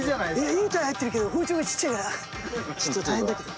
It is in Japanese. いい鯛入ってるけど包丁がちっちゃいからちょっと大変だけど。